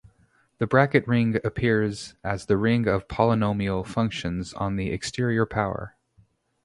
The bracket ring appears as the ring of polynomial functions on the exterior power.